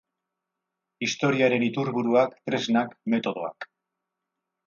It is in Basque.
Historiaren iturburuak, tresnak, metodoak.